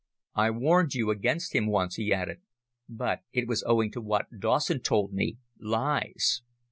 I warned you against him once," he added, "but it was owing to what Dawson told me lies."